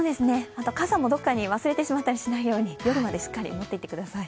傘もどこかに忘れてしまったりしないように、夜までしっかり持っていてください。